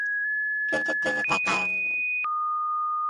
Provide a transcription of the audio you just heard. কিন্তু তিনি তা করেননি।